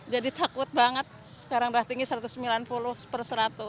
jadi takut banget sekarang darah tinggi satu ratus sembilan puluh per seratus